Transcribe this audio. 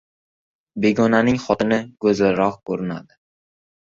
• Begonaning xotini go‘zalroq ko‘rinadi.